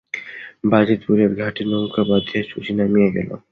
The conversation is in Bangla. বাজিতপুরের ঘাটে নৌকা বাধিয়া শশী নামিয়া গেল।